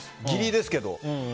義理ですけど。